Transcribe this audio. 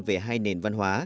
về hai nền văn hóa